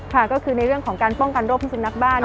ค่ะก็คือในเรื่องของการป้องกันโรคพิสุนักบ้าน